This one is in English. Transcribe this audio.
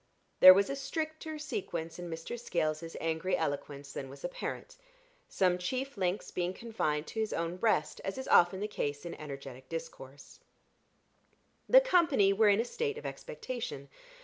There was a stricter sequence in Mr. Scales's angry eloquence than was apparent some chief links being confined to his own breast, as is often the case in energetic discourse. The company were in a state of expectation.